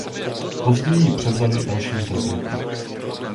Později ji převzali další interpreti.